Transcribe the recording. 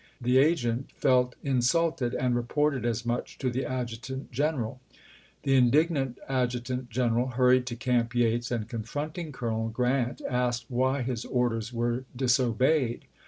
The agent felt insulted, and reported as much to the adjutant general. The indignant adjutant general hurried to Camp Yates and, confronting Colonel Grant, asked why his orders were disobeyed.